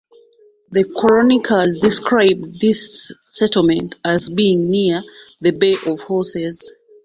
The chroniclers described this settlement as being near the "Bay of Horses".